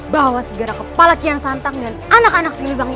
bahwa segera kepala kian santang dan anak anak siliwangi itu